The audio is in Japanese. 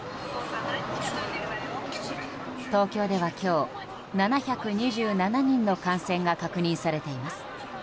東京では今日７２７人の感染が確認されています。